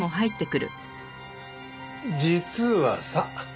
実はさ